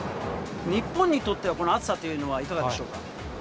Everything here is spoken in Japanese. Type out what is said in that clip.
日本にとってはこの暑さというのは、いかがでしょうか。